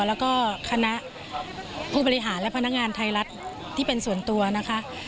แล้วก็คณะผู้บริหารและพนักงานไทยรัฐที่เป็นส่วนตัวนะคะ